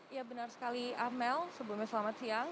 ya benar sekali amel sebelumnya selamat siang